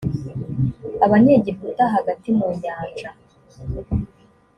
abanyegiputa hagati mu nyanja